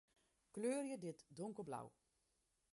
Kleurje dit donkerblau.